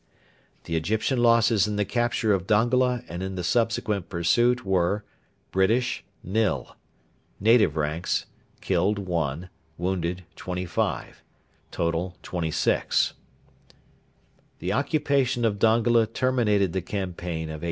The Egyptian losses in the capture of Dongola and in the subsequent pursuit were: British, nil. Native ranks: killed, 1; wounded, 25. Total, 26. The occupation of Dongola terminated the campaign of 1896.